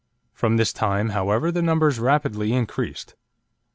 From this time, however, the numbers rapidly increased.